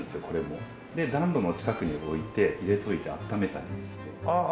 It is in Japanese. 暖炉の近くに置いて入れといて温めたんですって。